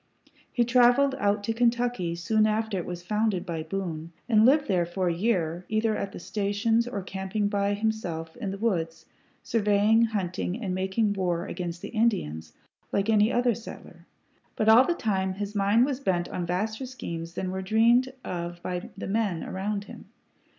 He traveled out to Kentucky soon after it was founded by Boone, and lived there for a year, either at the stations or camping by him self in the woods, surveying, hunting, and making war against the Indians like any other settler; but all the time his mind was bent on vaster schemes than were dreamed of by the men around him.